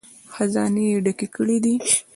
خزانې یې ډکې کړې دي.